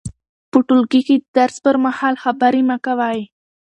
په ټولګي کې د درس پر مهال خبرې مه کوئ.